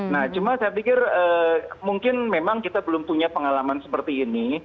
nah cuma saya pikir mungkin memang kita belum punya pengalaman seperti ini